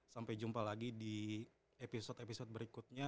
sampai jumpa lagi di episode episode berikutnya